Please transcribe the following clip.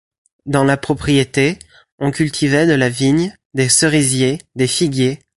Dans la propriété, on cultivait de la vigne, des cerisiers, des figuiers.